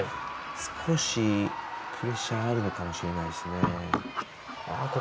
少し、プレッシャーがあるのかもしれないですね。